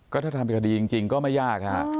ก็ถ้าทำคดีจริงก็ไม่ยากค่ะ